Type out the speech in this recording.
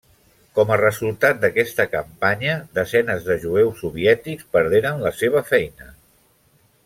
Com a resultat d'aquesta campanya, desenes de jueus soviètics perderen la seva feina.